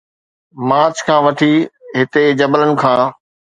march کان وٺي هتي جبلن کان